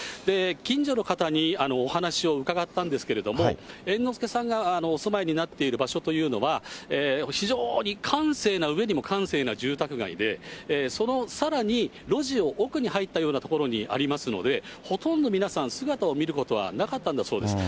近所の方にお話を伺ったんですけれども、猿之助さんがお住まいになっている場所というのは、非常に閑静なうえにも閑静な住宅街で、そのさらに路地を奥に入ったような所にありますので、ほとんど皆さん、姿を見ることはなかったんだそうです。